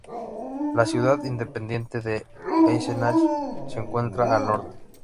La ciudad independiente de Eisenach se encuentra al norte.